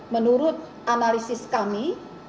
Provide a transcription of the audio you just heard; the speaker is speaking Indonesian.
menurut analisis kami